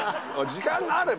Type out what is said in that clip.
時間があれば。